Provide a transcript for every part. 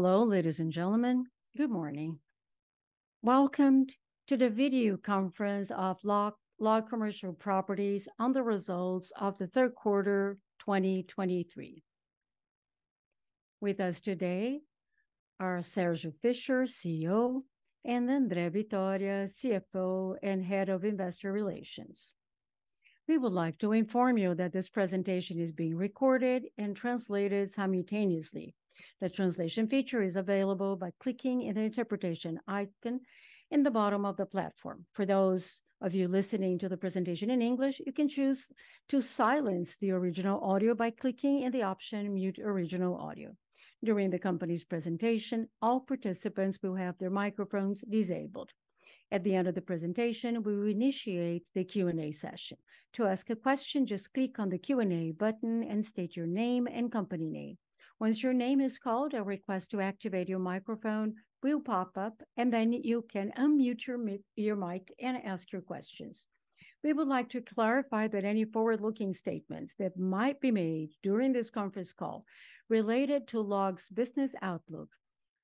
Hello, ladies and gentlemen. Good morning. Welcome to the video conference of LOG Commercial Properties on the results of the Q3 2023. With us today are Sérgio Fischer, CEO, and André Vitória, CFO and Head of Investor Relations. We would like to inform you that this presentation is being recorded and translated simultaneously. The translation feature is available by clicking in the interpretation icon in the bottom of the platform. For those of you listening to the presentation in English, you can choose to silence the original audio by clicking in the option Mute Original Audio. During the company's presentation, all participants will have their microphones disabled. At the end of the presentation, we will initiate the Q&A session. To ask a question, just click on the Q&A button and state your name and company name. Once your name is called, a request to activate your microphone will pop up, and then you can unmute your mic and ask your questions. We would like to clarify that any forward-looking statements that might be made during this conference call related to LOG's business outlook,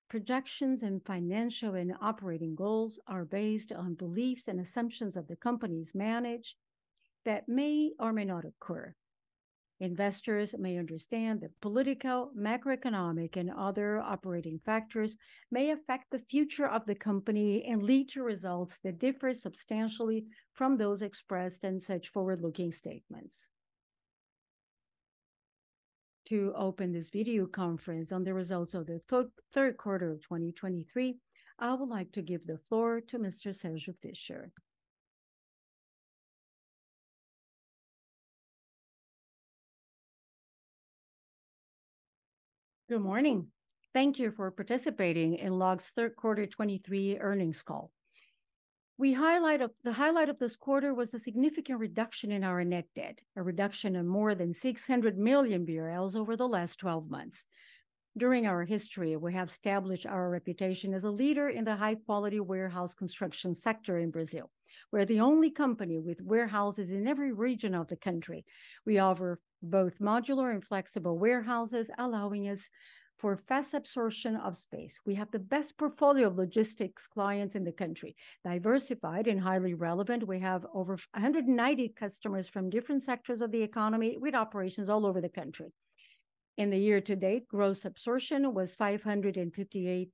projections, and financial and operating goals are based on beliefs and assumptions of the company's management, that may or may not occur. Investors may understand that political, macroeconomic, and other operating factors may affect the future of the company and lead to results that differ substantially from those expressed in such forward-looking statements. To open this video conference on the results of the Q3 of 2023, I would like to give the floor to Mr. Sérgio Fischer. Good morning. Thank you for participating in LOG's Q3 2023 earnings call. The highlight of this quarter was a significant reduction in our net debt, a reduction of more than 600 million BRL over the last twelve months. During our history, we have established our reputation as a leader in the high-quality warehouse construction sector in Brazil. We're the only company with warehouses in every region of the country. We offer both modular and flexible warehouses, allowing us for fast absorption of space. We have the best portfolio of logistics clients in the country, diversified and highly relevant. We have over 190 customers from different sectors of the economy, with operations all over the country. In the year to date, gross absorption was 558,700 square meters,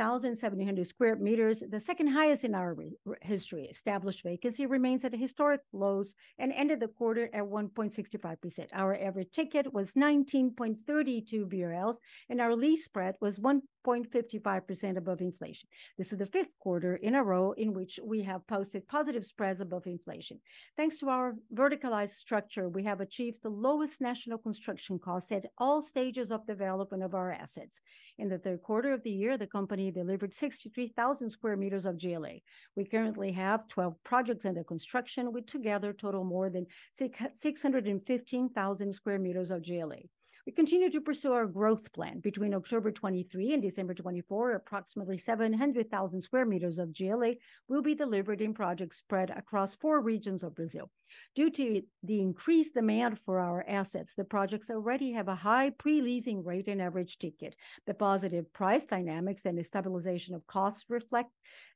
the second highest in our history. Established vacancy remains at historic lows and ended the quarter at 1.65%. Our average ticket was 19.32 BRL, and our lease spread was 1.55% above inflation. This is the fifth quarter in a row in which we have posted positive spreads above inflation. Thanks to our verticalized structure, we have achieved the lowest national construction costs at all stages of development of our assets. In the Q3 of the year, the company delivered 63,000 square meters of GLA. We currently have 12 projects under construction, which together total more than 615,000 square meters of GLA. We continue to pursue our growth plan. Between October 2023 and December 2024, approximately 700,000 square meters of GLA will be delivered in projects spread across four regions of Brazil. Due to the increased demand for our assets, the projects already have a high pre-leasing rate and average ticket. The positive price dynamics and the stabilization of costs reflect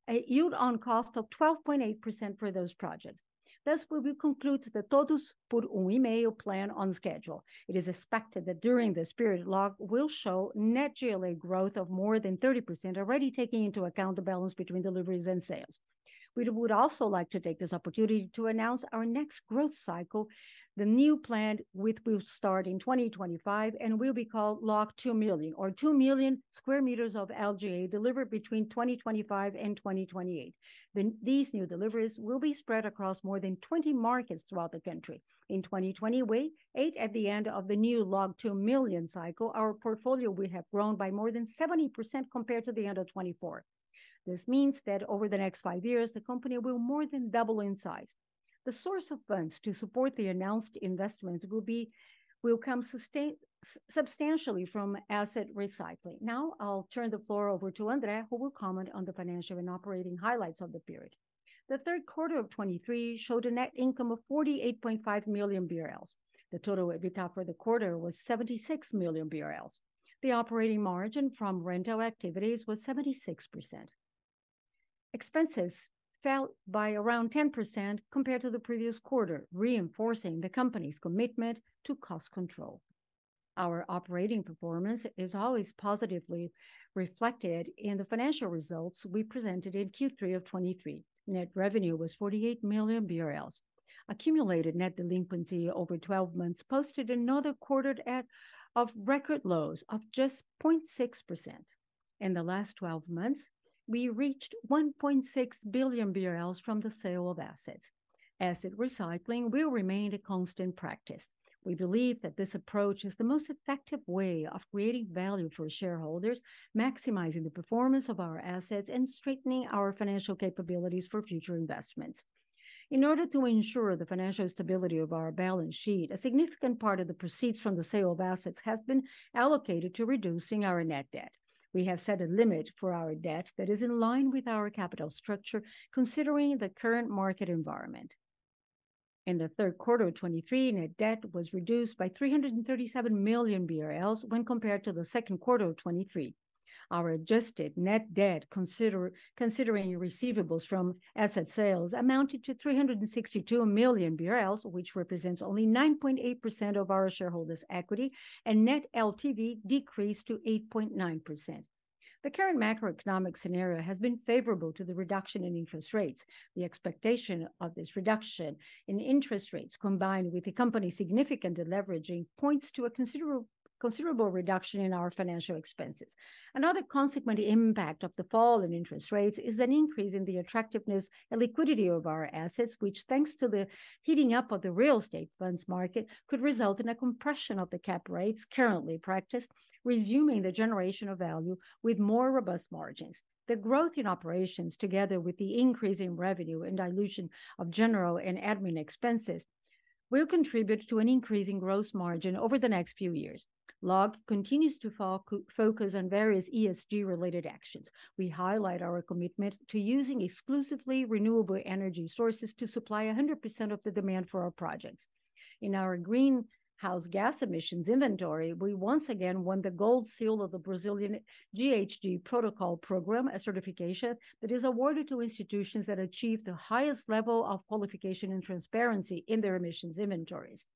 a yield on cost of 12.8% for those projects. Thus, we will conclude the Todos Por Um E-mail plan on schedule. It is expected that during this period, LOG will show net GLA growth of more than 30%, already taking into account the balance between deliveries and sales. We would also like to take this opportunity to announce our next growth cycle, the new plan, which will start in 2025 and will be called Log 2 Million, or 2 million square meters of GLA delivered between 2025 and 2028. These new deliveries will be spread across more than 20 markets throughout the country. In 2028, at the end of the new Log 2 Million cycle, our portfolio will have grown by more than 70% compared to the end of 2024. This means that over the next five years, the company will more than double in size. The source of funds to support the announced investments will be. Will come substantially from asset recycling. Now, I'll turn the floor over to André, who will comment on the financial and operating highlights of the period. The Q3 of 2023 showed a net income of 48.5 million BRL. The total EBITDA for the quarter was 76 million BRL. The operating margin from rental activities was 76%. Expenses fell by around 10% compared to the previous quarter, reinforcing the company's commitment to cost control. Our operating performance is always positively reflected in the financial results we presented in Q3 of 2023. Net revenue was 48 million BRL. Accumulated net delinquency over twelve months posted another quarter of record lows of just 0.6%. In the last twelve months, we reached 1.6 billion BRL from the sale of assets. Asset recycling will remain a constant practice. We believe that this approach is the most effective way of creating value for shareholders, maximizing the performance of our assets, and strengthening our financial capabilities for future investments. In order to ensure the financial stability of our balance sheet, a significant part of the proceeds from the sale of assets has been allocated to reducing our net debt. We have set a limit for our debt that is in line with our capital structure, considering the current market environment. In the Q3 of 2023, net debt was reduced by 337 million BRL when compared to the Q2 of 2023. Our adjusted net debt considering receivables from asset sales amounted to 362 million BRL, which represents only 9.8% of our shareholders' equity, and net LTV decreased to 8.9%. The current macroeconomic scenario has been favorable to the reduction in interest rates. The expectation of this reduction in interest rates, combined with the company's significant deleveraging, points to a considerable, considerable reduction in our financial expenses. Another consequent impact of the fall in interest rates is an increase in the attractiveness and liquidity of our assets, which, thanks to the heating up of the real estate funds market, could result in a compression of the cap rates currently practiced, resuming the generation of value with more robust margins. The growth in operations, together with the increase in revenue and dilution of general and admin expenses, will contribute to an increase in gross margin over the next few years. LOG continues to focus on various ESG-related actions. We highlight our commitment to using exclusively renewable energy sources to supply 100% of the demand for our projects. In our greenhouse gas emissions inventory, we once again won the Gold Seal of the Brazilian GHG Protocol Program, a certification that is awarded to institutions that achieve the highest level of qualification and transparency in their emissions inventories.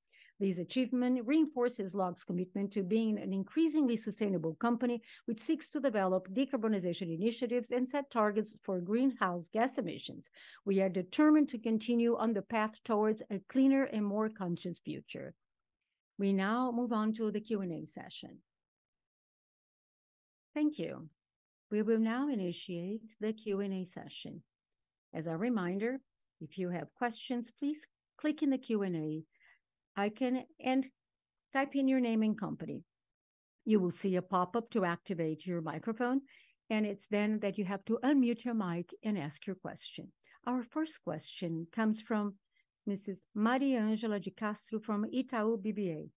This achievement reinforces LOG's commitment to being an increasingly sustainable company, which seeks to develop decarbonization initiatives and set targets for greenhouse gas emissions. We are determined to continue on the path towards a cleaner and more conscious future. We now move on to the Q&A session. Thank you. We will now initiate the Q&A session. As a reminder, if you have questions, please click in the Q&A icon and type in your name and company. You will see a pop-up to activate your microphone, and it's then that you have to unmute your mic and ask your question. Our first question comes from Mrs. Mariangela Castro from Itaú BBA.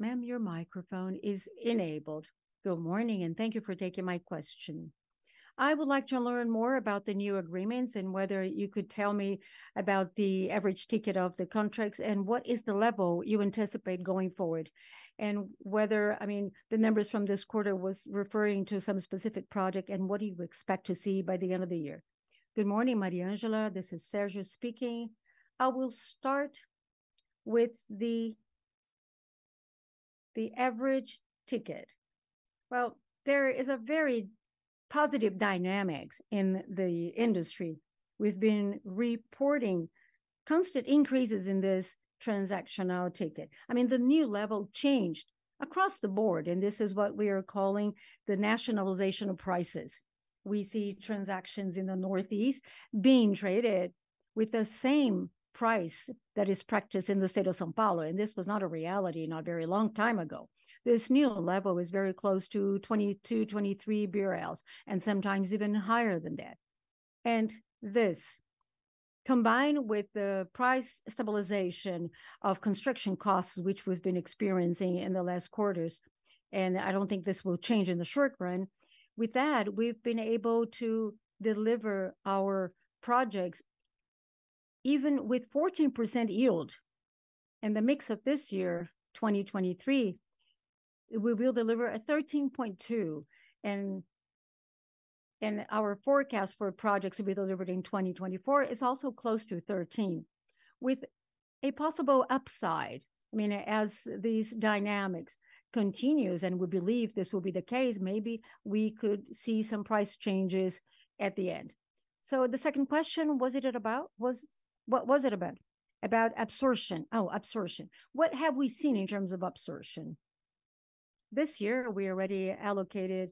Ma'am, your microphone is enabled. Good morning, and thank you for taking my question. I would like to learn more about the new agreements, and whether you could tell me about the average ticket of the contracts, and what is the level you anticipate going forward? And whether... I mean, the members from this quarter was referring to some specific project, and what do you expect to see by the end of the year? Good morning, Mariangela. This is Sérgio speaking. I will start with the average ticket. Well, there is a very positive dynamics in the industry. We've been reporting constant increases in this transactional ticket. I mean, the new level changed across the board, and this is what we are calling the nationalization of prices. We see transactions in the Northeast being traded with the same price that is practiced in the state of São Paulo, and this was not a reality not very long time ago. This new level is very close to 22-23 BRL, and sometimes even higher than that. And this, combined with the price stabilization of construction costs, which we've been experiencing in the last quarters, and I don't think this will change in the short run, with that, we've been able to deliver our projects even with 14% yield. In the mix of this year, 2023, we will deliver a 13.2, and, and our forecast for projects to be delivered in 2024 is also close to 13, with a possible upside. I mean, as these dynamics continues, and we believe this will be the case, maybe we could see some price changes at the end. So the second question, what was it about? About absorption. Oh, absorption. What have we seen in terms of absorption? This year, we already allocated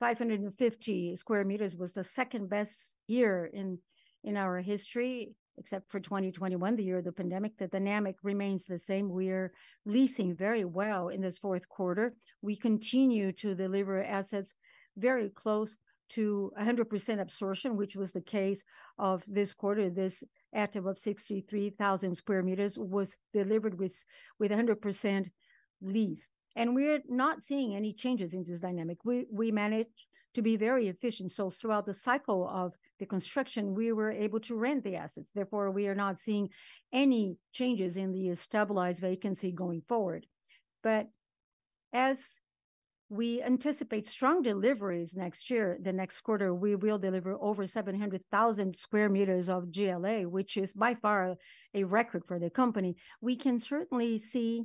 550 square meters. It was the second-best year in our history, except for 2021, the year of the pandemic. The dynamic remains the same. We're leasing very well in this Q4. We continue to deliver assets very close to 100% absorption, which was the case of this quarter. This asset of 63,000 square meters was delivered with 100% lease. And we're not seeing any changes in this dynamic. We managed to be very efficient, so throughout the cycle of the construction, we were able to rent the assets. Therefore, we are not seeing any changes in the stabilized vacancy going forward. But as we anticipate strong deliveries next year, the next quarter, we will deliver over 700,000 square meters of GLA, which is by far a record for the company. We can certainly see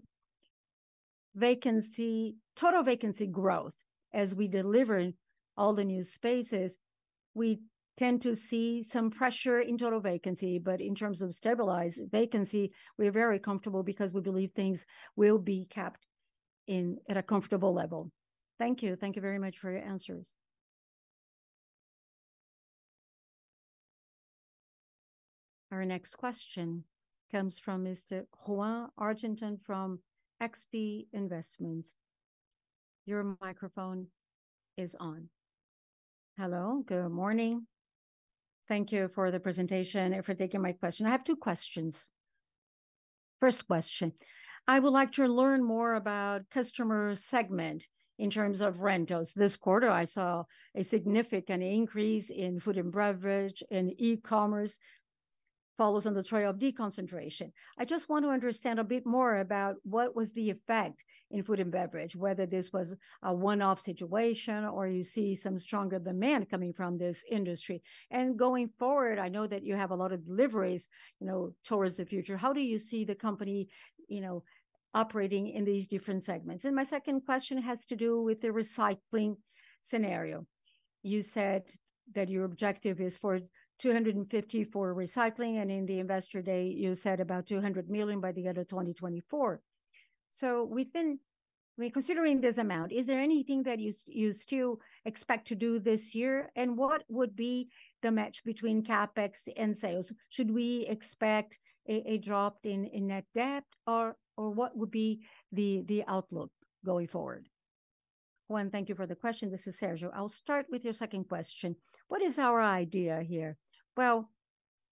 vacancy, total vacancy growth. As we deliver all the new spaces, we tend to see some pressure in total vacancy, but in terms of stabilized vacancy, we're very comfortable because we believe things will be kept in... at a comfortable level. Thank you. Thank you very much for your answers. Our next question comes from Mr. Juan Argentin from XP Investimentos. Your microphone is on. Hello, good morning. Thank you for the presentation and for taking my question. I have two questions.... First question: I would like to learn more about customer segment in terms of rentals. This quarter, I saw a significant increase in food and beverage and e-commerce follows on the trail of deconcentration. I just want to understand a bit more about what was the effect in food and beverage, whether this was a one-off situation or you see some stronger demand coming from this industry. And going forward, I know that you have a lot of deliveries, you know, towards the future. How do you see the company, you know, operating in these different segments? And my second question has to do with the recycling scenario. You said that your objective is for 250 for recycling, and in the Investor Day, you said about 200 million by the end of 2024. So considering this amount, is there anything that you, you still expect to do this year? And what would be the match between CapEx and sales? Should we expect a drop in net debt, or what would be the outlook going forward? Juan, thank you for the question. This is Sérgio. I'll start with your second question. What is our idea here? Well,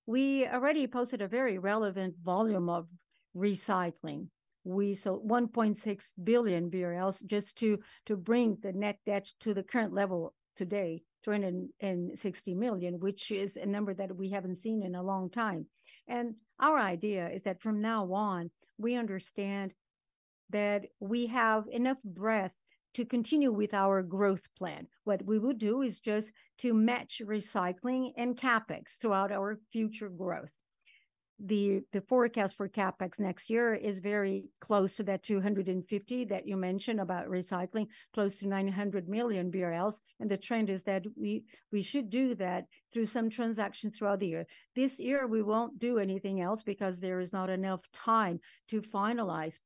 we already posted a very relevant volume of recycling. We sold 1.6 billion BRL just to bring the Net Debt to the current level today, 260 million, which is a number that we haven't seen in a long time. Our idea is that from now on, we understand that we have enough breadth to continue with our growth plan. What we will do is just to match recycling and CapEx throughout our future growth. The forecast for CapEx next year is very close to that 250 million that you mentioned about recycling, close to 900 million BRL. The trend is that we should do that through some transactions throughout the year. This year we won't do anything else because there is not enough time to finalize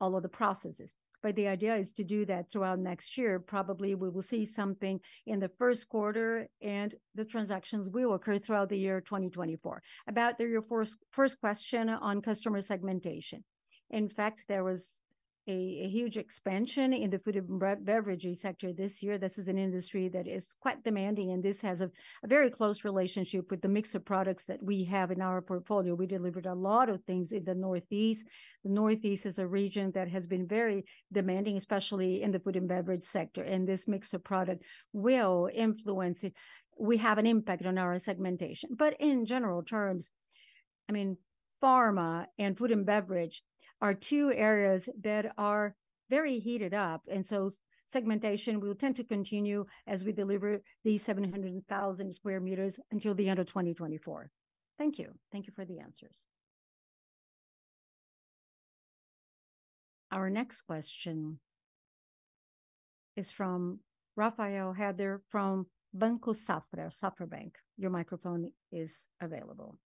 all of the processes, but the idea is to do that throughout next year. Probably we will see something in the Q1, and the transactions will occur throughout the year 2024. About your first question on customer segmentation. In fact, there was a huge expansion in the food and beverage sector this year. This is an industry that is quite demanding, and this has a very close relationship with the mix of products that we have in our portfolio. We delivered a lot of things in the Northeast. The Northeast is a region that has been very demanding, especially in the food and beverage sector, and this mix of product will influence it. We have an impact on our segmentation. But in general terms, I mean, pharma and food and beverage are two areas that are very heated up, and so segmentation will tend to continue as we deliver these 700,000 square meters until the end of 2024. Thank you. Thank you for the answers. Our next question is from Rafael Hutter from Banco Safra, Safra Bank. Your microphone is available.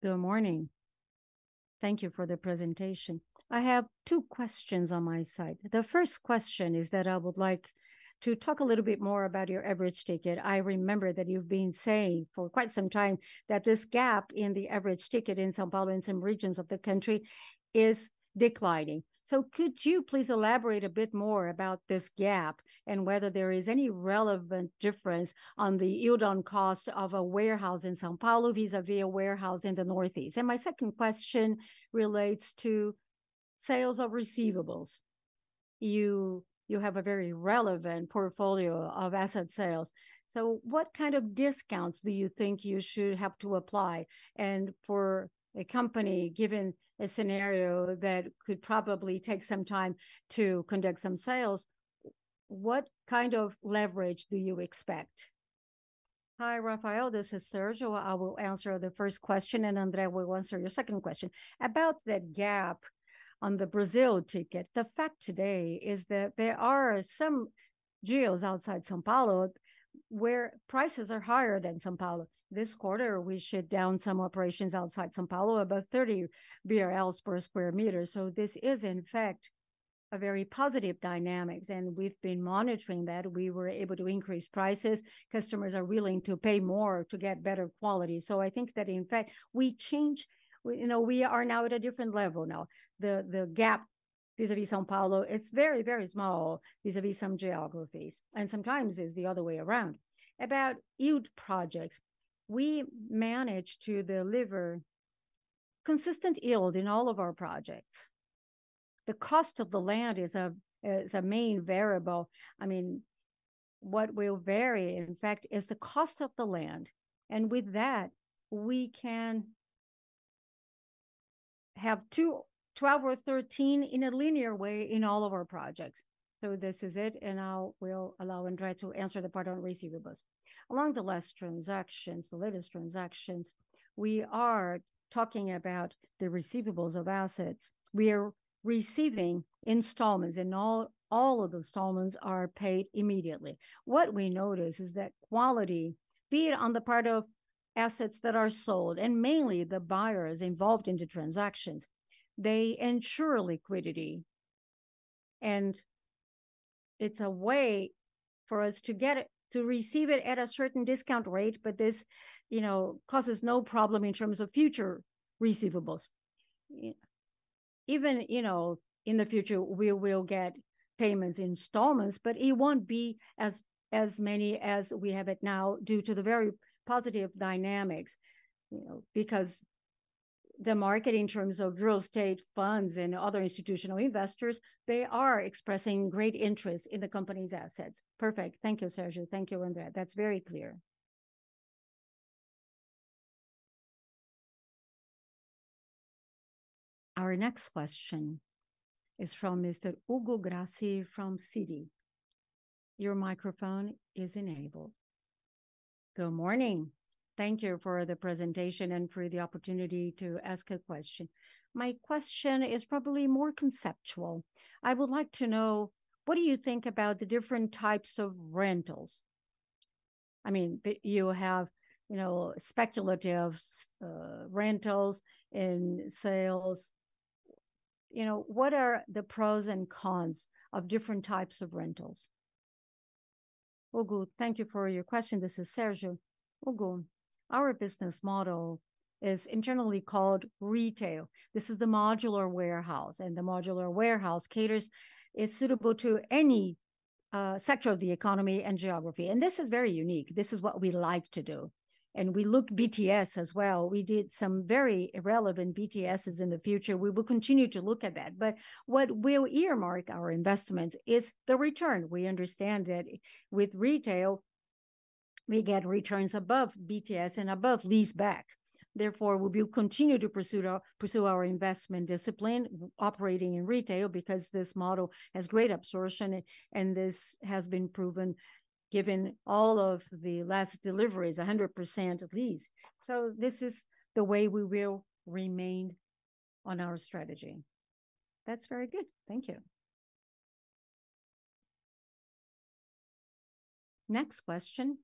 Good morning. Thank you for the presentation. I have two questions on my side. The first question is that I would like to talk a little bit more about your average ticket. I remember that you've been saying for quite some time that this gap in the average ticket in São Paulo and some regions of the country is declining. So could you please elaborate a bit more about this gap and whether there is any relevant difference on the yield on cost of a warehouse in São Paulo vis-à-vis a warehouse in the Northeast? And my second question relates to sales of receivables. You have a very relevant portfolio of asset sales, so what kind of discounts do you think you should have to apply? And for a company, given a scenario that could probably take some time to conduct some sales, what kind of leverage do you expect? Hi, Rafael, this is Sérgio. I will answer the first question, and André will answer your second question. About that gap on the Brazil ticker, the fact today is that there are some geos outside São Paulo where prices are higher than São Paulo. This quarter, we shut down some operations outside São Paulo, about 30 BRL per square meter, so this is, in fact, a very positive dynamics, and we've been monitoring that. We were able to increase prices. Customers are willing to pay more to get better quality. So I think that, in fact, we change... You know, we are now at a different level now. The gap vis-à-vis São Paulo, it's very, very small vis-à-vis some geographies, and sometimes it's the other way around. About yield projects, we managed to deliver consistent yield in all of our projects. The cost of the land is a main variable. I mean, what will vary, in fact, is the cost of the land, and with that, we can have two-- 12 or 13 in a linear way in all of our projects. So this is it, and I'll allow André to answer the part on receivables. Along the last transactions, the latest transactions, we are talking about the receivables of assets. We are receiving installments, and all, all of the installments are paid immediately. What we notice is that quality, be it on the part of assets that are sold, and mainly the buyers involved in the transactions, they ensure liquidity, and it's a way for us to get it, to receive it at a certain discount rate, but this, you know, causes no problem in terms of future receivables. Yeah.... even, you know, in the future we will get payments installments, but it won't be as, as many as we have it now due to the very positive dynamics. You know, because the market in terms of real estate funds and other institutional investors, they are expressing great interest in the compan y's assets. Perfect. Thank you, Sérgio. Thank you, André. That's very clear. Our next question is from Mr. Hugo Grassi from Citi. Your microphone is enabled. Good morning. Thank you for the presentation and for the opportunity to ask a question. My question is probably more conceptual. I would like to know, what do you think about the different types of rentals? I mean, you have, you know, speculative, rentals and sales. You know, what are the pros and cons of different types of rentals? Hugo, thank you for your question. This is Sérgio. Hugo, our business model is internally called retail. This is the modular warehouse, and the modular warehouse caters is suitable to any, sector of the economy and geography, and this is very unique. This is what we like to do, and we look BTS as well. We did some very relevant BTSs in the future. We will continue to look at that, but what we'll earmark our investments is the return. We understand that with retail we get returns above BTS and above lease back. Therefore, we will continue to pursue our, pursue our investment discipline operating in retail, because this model has great absorption, and, and this has been proven, given all of the last deliveries, 100% of these. So this is the way we will remain on our strategy. That's very good. Thank you. Next question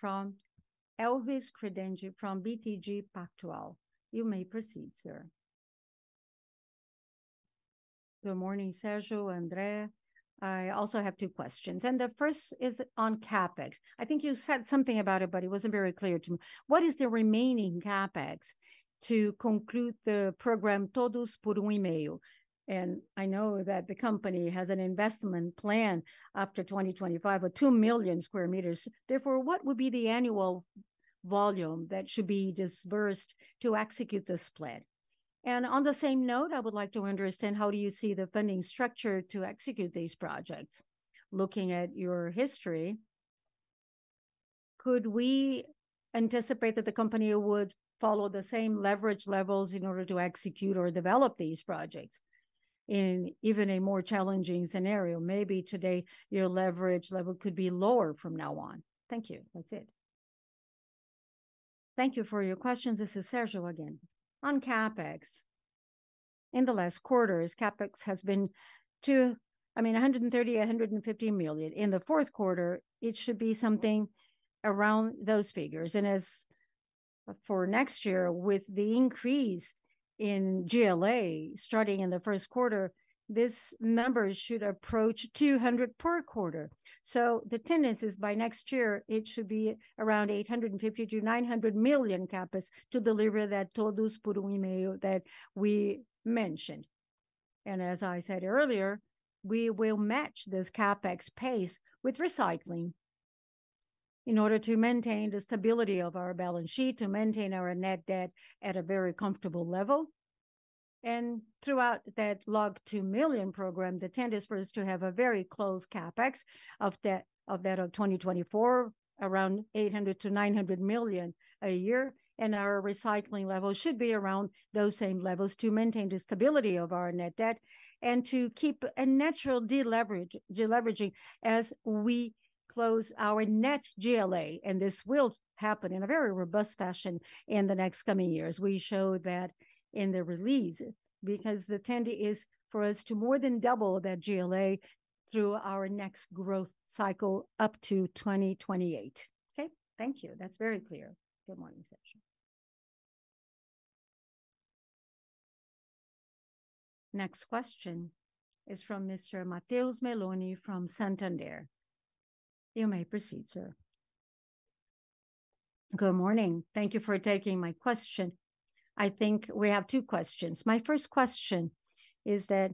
from Elvis Credendio from BTG Pactual. You may proceed, sir. Good morning, Sérgio, André. I also have two questions, and the first is on CapEx. I think you said something about it, but it wasn't very clear to me. What is the remaining CapEx to conclude the program Todos Por Um E-mail? I know that the company has an investment plan after 2025 of 2 million sq m. Therefore, what would be the annual volume that should be disbursed to execute this plan? And on the same note, I would like to understand how do you see the funding structure to execute these projects? Looking at your history, could we anticipate that the company would follow the same leverage levels in order to execute or develop these projects in even a more challenging scenario? Maybe today, your leverage level could be lower from now on. Thank you. That's it. Thank you for your questions. This is Sérgio again. On CapEx, in the last quarters, CapEx has been to, I mean, 130 million-150 million. In the Q4, it should be something around those figures, and as for next year, with the increase in GLA starting in the Q1, this number should approach 200 million per quarter. So the tendency is by next year it should be around 850 million-900 million CapEx to deliver that Todos Por Um E-mail that we mentioned. And as I said earlier, we will match this CapEx pace with recycling in order to maintain the stability of our balance sheet, to maintain our net debt at a very comfortable level. And throughout that Log 2 Million program, the tendency is for us to have a very close CapEx of that, of that of 2024, around 800 million-900 million a year. And our recycling levels should be around those same levels to maintain the stability of our net debt and to keep a natural deleverage, deleveraging as we close our net GLA, and this will happen in a very robust fashion in the next coming years. We show that in the release, because the tendency is for us to more than double that GLA through our next growth cycle up to 2028. Okay. Thank you. That's very clear. Good morning, Sérgio. Next question is from Mr. Matheus Meloni from Santander. You may proceed, sir. Good morning. Thank you for taking my question. I think we have two questions. My first question is that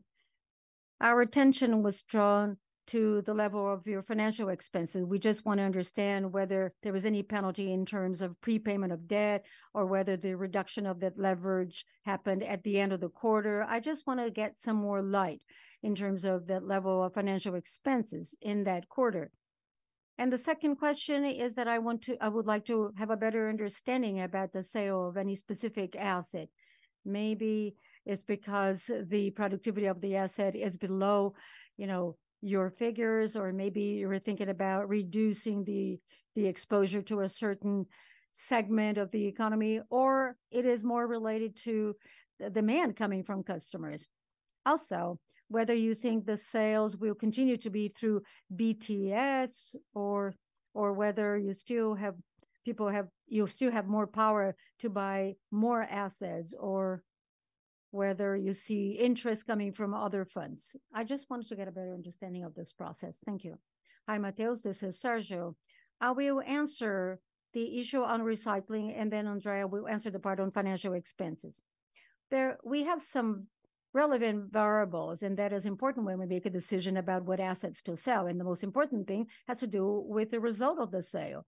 our attention was drawn to the level of your financial expenses. We just want to understand whether there was any penalty in terms of prepayment of debt or whether the reduction of that leverage happened at the end of the quarter. I just want to get some more light in terms of the level of financial expenses in that quarter. The second question is that I want to, I would like to have a better understanding about the sale of any specific asset. Maybe it's because the productivity of the asset is below, you know, your figures, or maybe you were thinking about reducing the exposure to a certain segment of the economy, or it is more related to the demand coming from customers. Also, whether you think the sales will continue to be through BTS or whether you still have People have—you still have more power to buy more assets, or whether you see interest coming from other funds. I just wanted to get a better understanding of this process. Thank you. Hi, Matheus, this is Sérgio. I will answer the issue on recycling, and then André will answer the part on financial expenses... There we have some relevant variables, and that is important when we make a decision about what assets to sell, and the most important thing has to do with the result of the sale.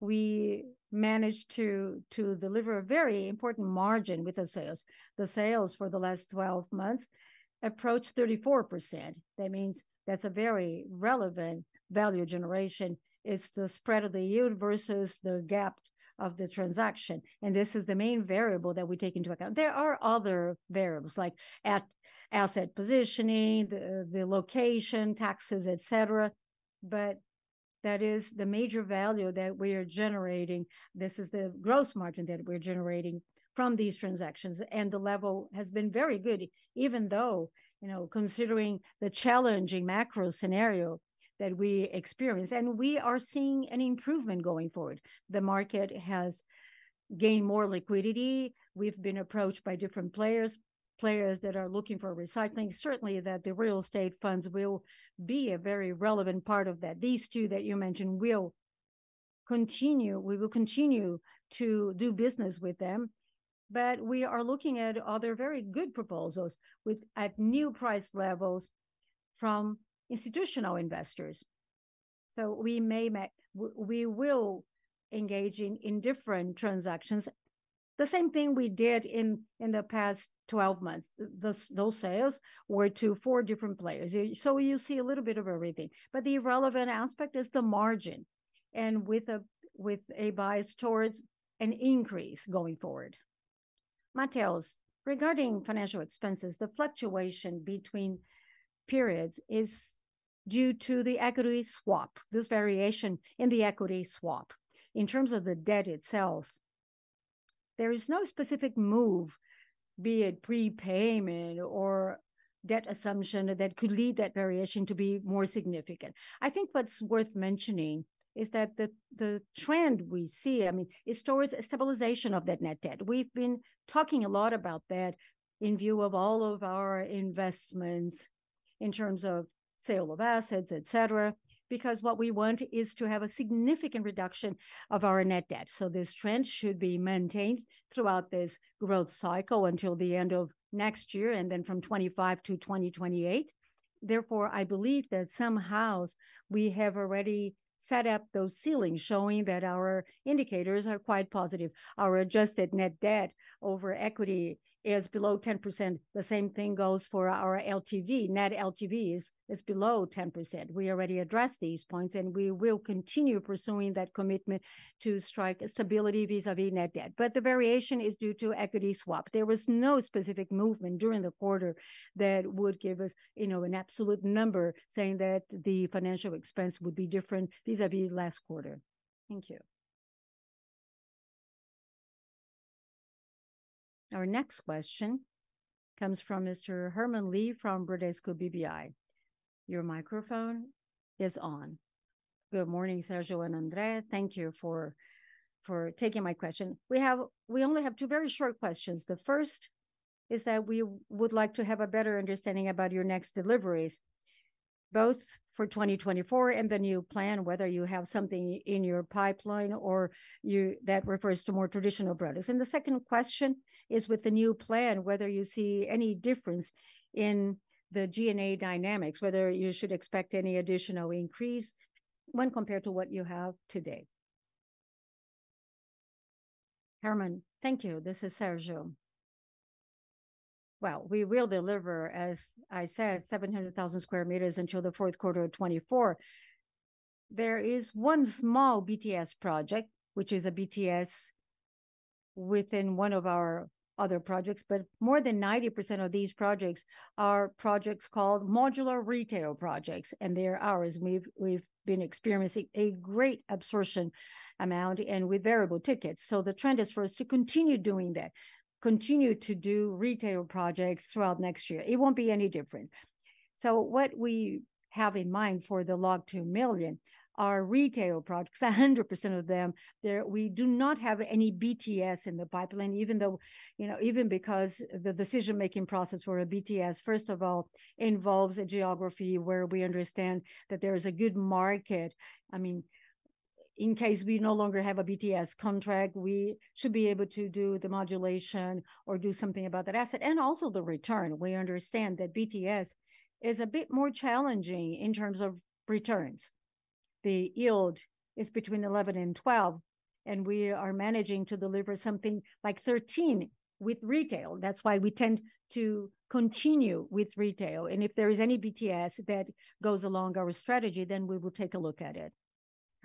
We managed to deliver a very important margin with the sales. The sales for the last 12 months approached 34%. That means that's a very relevant value generation. It's the spread of the yield versus the cap of the transaction, and this is the main variable that we take into account. There are other variables, like asset positioning, the location, taxes, et cetera, but that is the major value that we are generating. This is the gross margin that we're generating from these transactions, and the level has been very good, even though, you know, considering the challenging macro scenario that we experience. We are seeing an improvement going forward. The market has gained more liquidity. We've been approached by different players, players that are looking for recycling. Certainly, the real estate funds will be a very relevant part of that. These two that you mentioned will continue. We will continue to do business with them, but we are looking at other very good proposals with at new price levels from institutional investors. So we may we will engage in different transactions, the same thing we did in the past 12 months. Those, those sales were to four different players. So you see a little bit of everything, but the relevant aspect is the margin, and with a bias towards an increase going forward. Matheus, regarding financial expenses, the fluctuation between periods is due to the equity swap, this variation in the equity swap. In terms of the debt itself, there is no specific move, be it prepayment or debt assumption, that could lead that variation to be more significant. I think what's worth mentioning is that the trend we see, I mean, is towards a stabilization of that net debt. We've been talking a lot about that in view of all of our investments in terms of sale of assets, et cetera, because what we want is to have a significant reduction of our net debt. So this trend should be maintained throughout this growth cycle until the end of next year, and then from 2025 to 2028. Therefore, I believe that somehow we have already set up those ceilings, showing that our indicators are quite positive. Our adjusted net debt over equity is below 10%. The same thing goes for our LTV. Net LTV is below 10%. We already addressed these points, and we will continue pursuing that commitment to strike stability vis-à-vis net debt. But the variation is due to equity swap. There was no specific movement during the quarter that would give us, you know, an absolute number, saying that the financial expense would be different vis-à-vis last quarter. Thank you. Our next question comes from Mr. Herman Lee from Bradesco BBI. Your microphone is on. Good morning, Sérgio and André. Thank you for taking my question. We only have two very short questions. The first is that we would like to have a better understanding about your next deliveries, both for 2024 and the new plan, whether you have something in your pipeline or you... that refers to more traditional products. And the second question is, with the new plan, whether you see any difference in the G&A dynamics, whether you should expect any additional increase when compared to what you have today. Herman, thank you. This is Sérgio. Well, we will deliver, as I said, 700,000 square meters until the Q4 of 2024. There is one small BTS project, which is a BTS within one of our other projects, but more than 90% of these projects are projects called modular retail projects, and they are ours. We've been experiencing a great absorption amount and with variable tickets. So the trend is for us to continue doing that, continue to do retail projects throughout next year. It won't be any different. So what we have in mind for the Log 2 Million are retail projects, 100% of them. We do not have any BTS in the pipeline, even though, you know, even because the decision-making process for a BTS, first of all, involves a geography where we understand that there is a good market. I mean, in case we no longer have a BTS contract, we should be able to do the modulation or do something about that asset, and also the return. We understand that BTS is a bit more challenging in terms of returns. The yield is between 11 and 12, and we are managing to deliver something like 13 with retail. That's why we tend to continue with retail, and if there is any BTS that goes along our strategy, then we will take a look at it.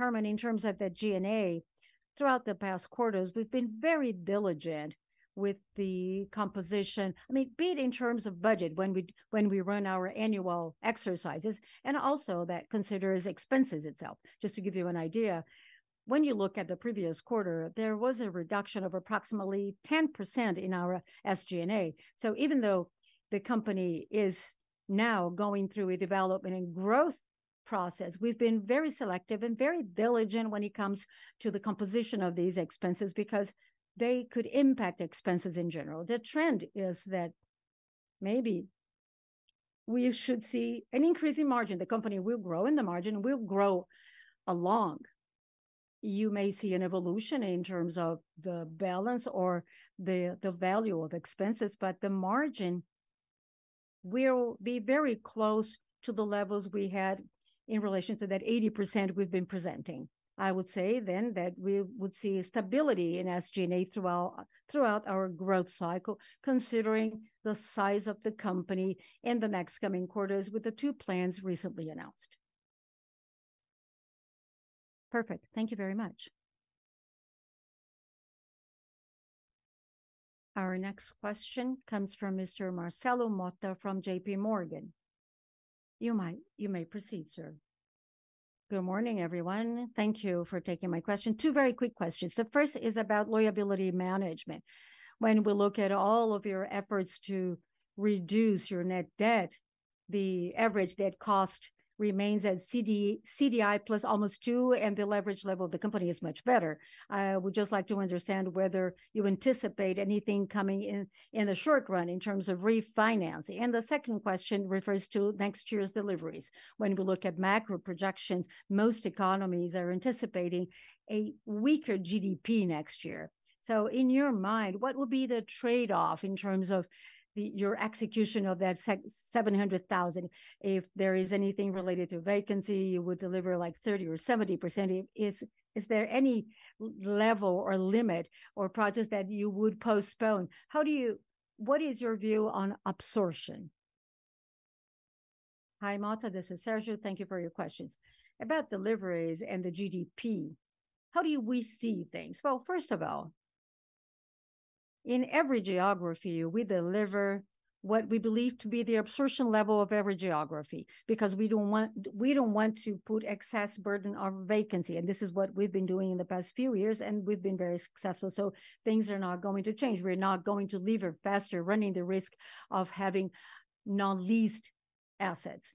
Herman, in terms of the G&A, throughout the past quarters, we've been very diligent with the composition, I mean, be it in terms of budget, when we run our annual exercises, and also that considers expenses itself. Just to give you an idea, when you look at the previous quarter, there was a reduction of approximately 10% in our SG&A. So even though the company is now going through a development and growth process, we've been very selective and very diligent when it comes to the composition of these expenses, because they could impact expenses in general. The trend is that maybe we should see an increase in margin. The company will grow, and the margin will grow along. You may see an evolution in terms of the balance or the, the value of expenses, but the margin will be very close to the levels we had in relation to that 80% we've been presenting. I would say then that we would see stability in SG&A throughout, throughout our growth cycle, considering the size of the company in the next coming quarters with the 2 plans recently announced. Perfect. Thank you very much. Our next question comes from Mr. Marcelo Motta from JP Morgan. You may proceed, sir. Good morning, everyone. Thank you for taking my question. Two very quick questions. The first is about liability management. When we look at all of your efforts to reduce your net debt, the average debt cost remains at CDI plus almost 2, and the leverage level of the company is much better. I would just like to understand whether you anticipate anything coming in, in the short run in terms of refinancing. And the second question refers to next year's deliveries. When we look at macro projections, most economies are anticipating a weaker GDP next year. So in your mind, what would be the trade-off in terms of the, your execution of that seven hundred thousand? If there is anything related to vacancy, you would deliver, like, 30% or 70%. Is there any level or limit or projects that you would postpone? How do you... What is your view on absorption? Hi, Motta, this is Sérgio. Thank you for your questions. About deliveries and the GDP, how do we see things? Well, first of all, in every geography, we deliver what we believe to be the absorption level of every geography, because we don't want, we don't want to put excess burden on vacancy, and this is what we've been doing in the past few years, and we've been very successful. So things are not going to change. We're not going to deliver faster, running the risk of having non-leased assets.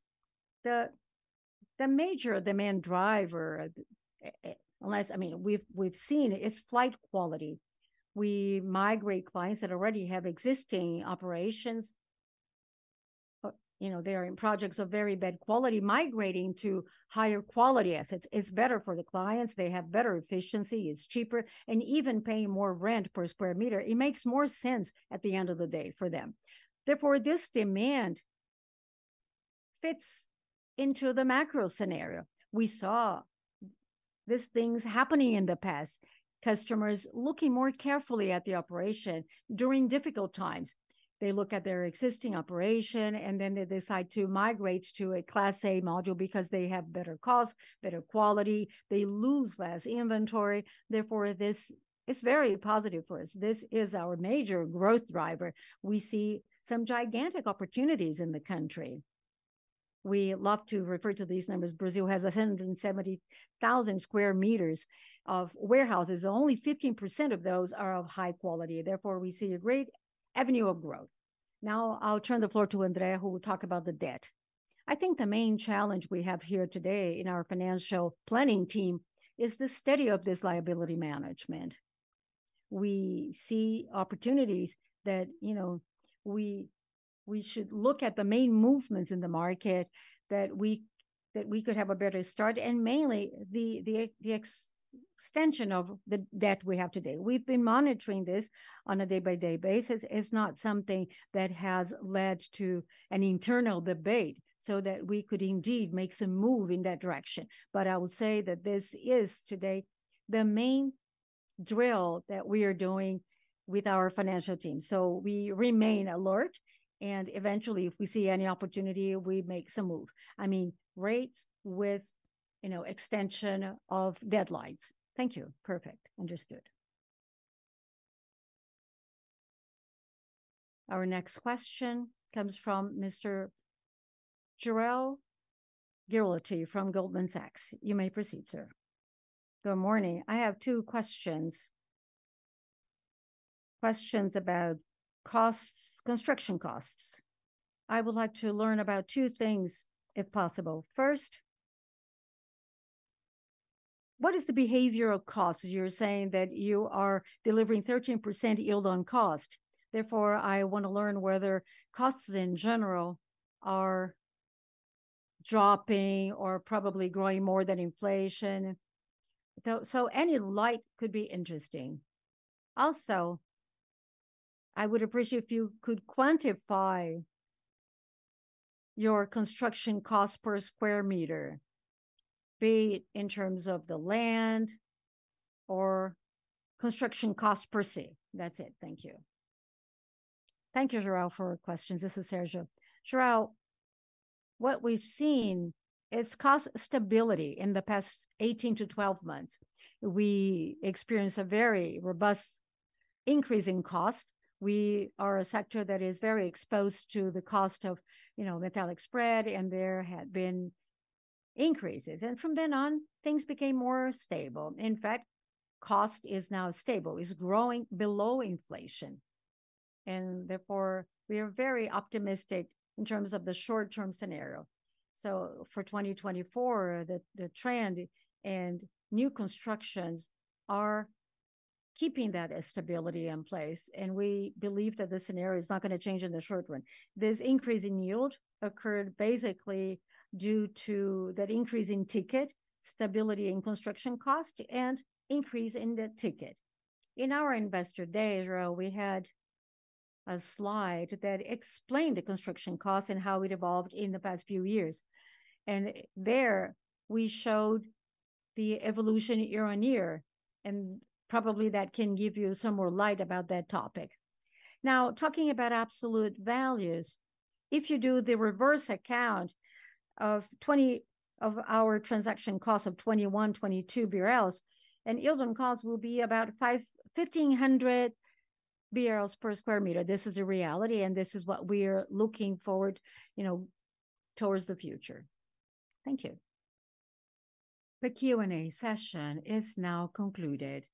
The major demand driver, I mean, we've seen, is flight to quality. We migrate clients that already have existing operations. But, you know, they are in projects of very bad quality. Migrating to higher quality assets is better for the clients. They have better efficiency, it's cheaper, and even paying more rent per square meter, it makes more sense at the end of the day for them. Therefore, this demand fits into the macro scenario. We saw these things happening in the past, customers looking more carefully at the operation during difficult times. They look at their existing operation, and then they decide to migrate to a Class A module because they have better cost, better quality, they lose less inventory. Therefore, this is very positive for us. This is our major growth driver. We see some gigantic opportunities in the country. We love to refer to these numbers. Brazil has 170,000 square meters of warehouses. Only 15% of those are of high quality. Therefore, we see a great avenue of growth. Now I'll turn the floor to André, who will talk about the debt. I think the main challenge we have here today in our financial planning team is the study of this liability management. We see opportunities that, you know, we should look at the main movements in the market, that we could have a better start, and mainly the extension of the debt we have today. We've been monitoring this on a day-by-day basis. It's not something that has led to an internal debate so that we could indeed make some move in that direction. But I would say that this is today the main drill that we are doing with our financial team. So we remain alert, and eventually, if we see any opportunity, we make some move. I mean, rates with, you know, extension of deadlines. Thank you. Perfect. Understood. Our next question comes from Mr. Jorel Guilloty from Goldman Sachs. You may proceed, sir. Good morning. I have two questions. Questions about costs, construction costs. I would like to learn about two things, if possible. First, what is the behavior of costs? You're saying that you are delivering 13% yield on cost. Therefore, I want to learn whether costs in general are dropping or probably growing more than inflation. So, so any light could be interesting. Also, I would appreciate if you could quantify your construction cost per square meter, be it in terms of the land or construction cost per se. That's it. Thank you. Thank you, Jorel, for your questions. This is Sérgio. Jorel, what we've seen is cost stability in the past 18-12 months. We experienced a very robust increase in cost. We are a sector that is very exposed to the cost of, you know, metallic spread, and there had been increases, and from then on, things became more stable. In fact, cost is now stable. It's growing below inflation, and therefore, we are very optimistic in terms of the short-term scenario. So for 2024, the trend and new constructions are keeping that stability in place, and we believe that the scenario is not gonna change in the short run. This increase in yield occurred basically due to that increase in ticket, stability in construction cost, and increase in the ticket. In our Investor Day, Jorel, we had a slide that explained the construction costs and how it evolved in the past few years, and there we showed the evolution year-on-year, and probably that can give you some more light about that topic. Now, talking about absolute values, if you do the reverse account of 20% of our transaction costs of 21.22 BRL, and yield on costs will be about 51,500 BRL per square meter. This is the reality, and this is what we're looking forward, you know, towards the future. Thank you. The Q&A session is now concluded.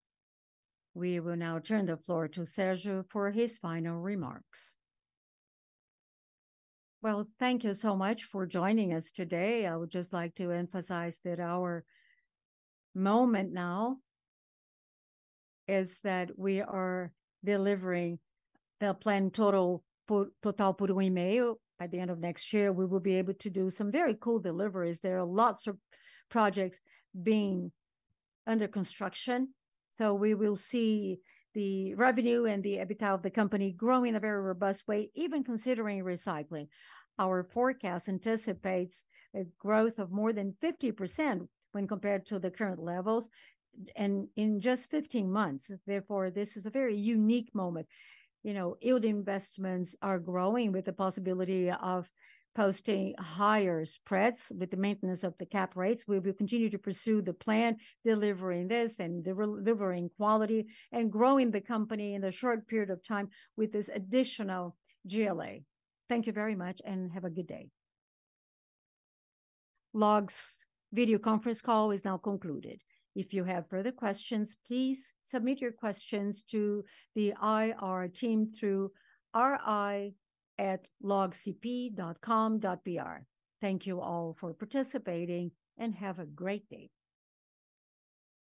We will now turn the floor to Sérgio for his final remarks. Well, thank you so much for joining us today. I would just like to emphasize that our moment now is that we are delivering the plan Todos Por Um E-mail. By the end of next year, we will be able to do some very cool deliveries. There are lots of projects being under construction, so we will see the revenue and the EBITDA of the company grow in a very robust way, even considering recycling. Our forecast anticipates a growth of more than 50% when compared to the current levels, and in just 15 months. Therefore, this is a very unique moment. You know, yield investments are growing with the possibility of posting higher spreads with the maintenance of the cap rates. We will continue to pursue the plan, delivering this and delivering quality, and growing the company in a short period of time with this additional GLA. Thank you very much, and have a good day. LOG's video conference call is now concluded. If you have further questions, please submit your questions to the IR team through ri@logcp.com.br. Thank you all for participating, and have a great day!